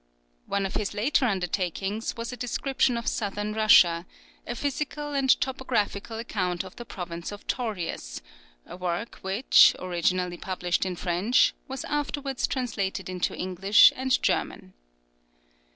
One of his later undertakings was a description of Southern Russia, a physical and topographical account of the province of Taurius a work which, originally published in French, was afterwards translated into English and German.